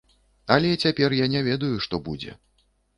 Але цяпер я не ведаю, што будзе.